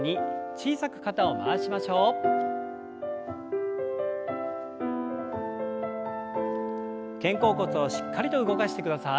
肩甲骨をしっかりと動かしてください。